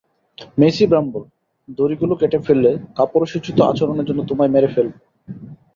মেইসি Bramble, দড়িগুলো কেটে ফেললে, কাপুরুষোচিত আচরণের জন্য তোমায় মেরে ফেলবো!